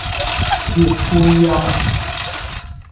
鐵觀音